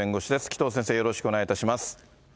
紀藤先生よろしくお願いいたします。